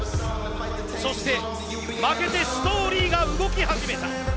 そして、負けてストーリーが動き始めた。